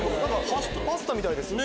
パスタみたいですね。